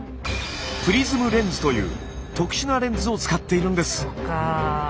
プリズムレンズという特殊なレンズを使っているんです。